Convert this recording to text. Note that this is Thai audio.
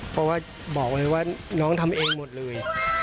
เพราะว่าบอกไว้ว่าน้องทำเองหมดเลย